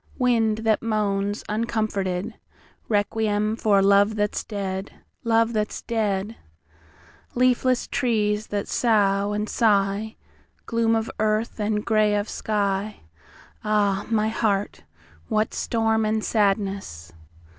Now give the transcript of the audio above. Wind that moans, uncomforted, Requiem for Love that's dead'Love that's dead! Leafless trees that sough and sigh, Gloom of earth, and grey of sky, Ah, my heart, what storm and sadness!